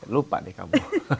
lupa deh kamu